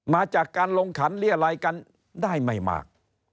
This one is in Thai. มาจากการลงขันเรียรัยกันได้ไม่มาก